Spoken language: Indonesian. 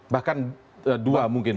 bahkan dua mungkin